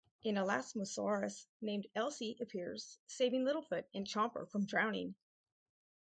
An "Elasmosaurus" named Elsie appears, saving Littlefoot and Chomper from drowning.